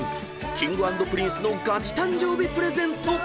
［Ｋｉｎｇ＆Ｐｒｉｎｃｅのガチ誕生日プレゼント］